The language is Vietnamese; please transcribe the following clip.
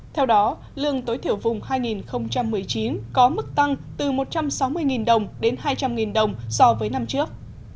theo đó lương tối thiểu vùng hai nghìn một mươi chín có mức tăng từ một trăm sáu mươi đồng đến hai trăm linh đồng so với năm trước